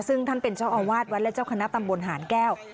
ซึ่งท่านเป็นเจ้าอาวาสวัดและเจ้าคณะตำบลหานแก้ว